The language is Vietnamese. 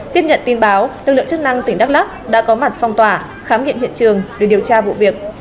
tiếp nhận tin báo lực lượng chức năng tỉnh đắk lắk đã có mặt phong tỏa khám nghiệm hiện trường để điều tra vụ việc